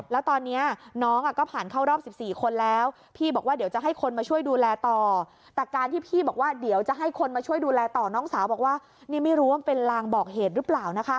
แล้วตอนนี้น้องก็ผ่านเข้ารอบ๑๔คนแล้ว